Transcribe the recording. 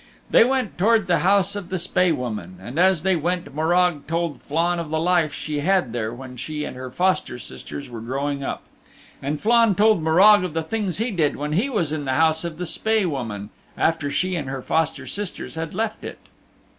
They went towards the house of the Spae Woman. And as they went Morag told Flann of the life she had there when she and her foster sisters were growing up, and Flann told Morag of the things he did when he was in the house of the Spae Woman after she and her foster sisters had left it.